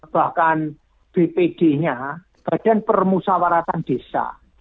bahkan bpd nya badan permusawaratan desa